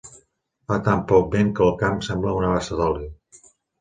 Fa tan poc vent que el camp sembla una bassa d'oli.